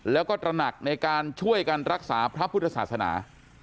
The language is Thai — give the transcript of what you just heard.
แล้วก็ตระหนักในการช่วยกันรักษาพระพุทธศาสนา